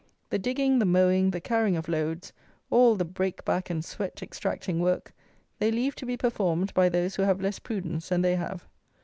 The digging, the mowing, the carrying of loads, all the break back and sweat extracting work, they leave to be performed by those who have less prudence than they have.